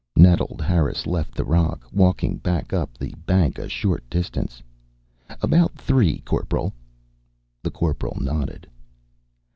Nettled, Harris left the rock, walking back up the bank a short distance. "About three, Corporal?" The Corporal nodded.